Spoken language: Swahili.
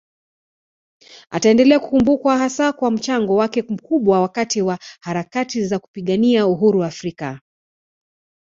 Ataendelea kukumbukwa hasa kwa mchango wake mkubwa wakati wa harakati za kupigania uhuru Afrika